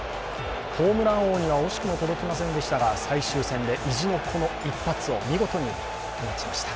ホームラン王には惜しくも届きませんでしたが、最終戦で意地の一発を見事に放ちました。